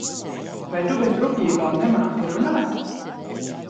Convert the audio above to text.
Vai Tu bez rupjībām nemāki runāt?